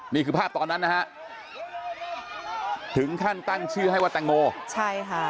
นี่คือภาพตอนนั้นนะฮะถึงขั้นตั้งชื่อให้ว่าแตงโมใช่ค่ะ